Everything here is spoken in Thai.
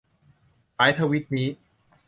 สายทวีตนี้